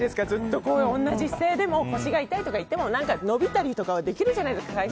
ずっと同じ姿勢でも腰が痛いとか言っても伸びたりとかできるじゃないですか。